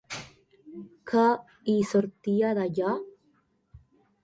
Què hi sortia d'allà?